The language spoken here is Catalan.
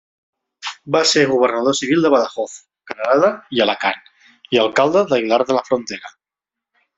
Va ser governador civil de Badajoz, Granada i Alacant, i alcalde d'Aguilar de la Frontera.